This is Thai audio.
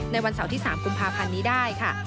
วันเสาร์ที่๓กุมภาพันธ์นี้ได้ค่ะ